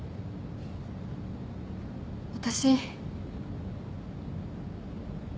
私。